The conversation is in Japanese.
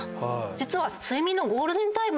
実は。